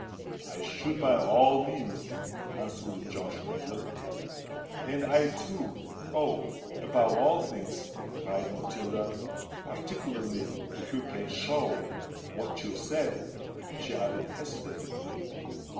"I should, by all means," answered Josh Pedler. "And I too——Oh! above all things!" cried Matilda: "particularly, if you can show——what you said," she added hesitatingly.